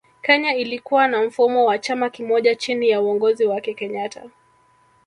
Kenya ilikuwa na mfumo wa chama kimoja chini ya uongozi wake kenyatta